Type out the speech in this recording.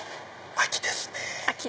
秋ですね。